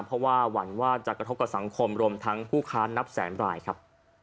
เพราะว่าหวั่นว่าจะกระทบกับสังคมรวมทั้งผู้ค้านับแสนรายครับ